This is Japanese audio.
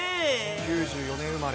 ９４年生まれ。